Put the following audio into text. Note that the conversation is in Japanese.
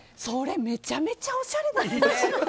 それめちゃめちゃおしゃれですね！